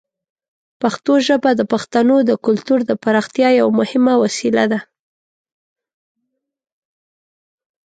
پښتو ژبه د پښتنو د کلتور د پراختیا یوه مهمه وسیله ده.